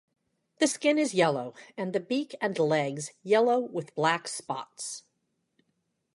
The skin is yellow, and the beak and legs yellow with black spots.